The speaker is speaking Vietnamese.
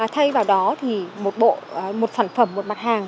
thay vào đó thì một bộ một sản phẩm một mặt hàng